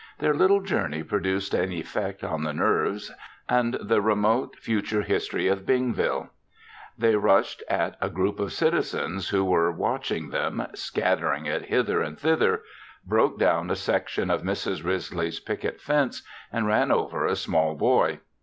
Their little journey produced an effect on the nerves and the remote future history of Bingville. They rushed at a group of citizens who were watching them, scattered it hither and thither, broke down a section of Mrs. Risley's picket fence and ran over a small boy.